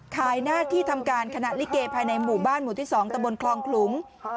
หน้าที่ทำการคณะลิเกภายในหมู่บ้านหมู่ที่๒ตะบนคลองขลุง